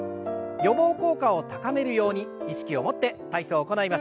予防効果を高めるように意識を持って体操を行いましょう。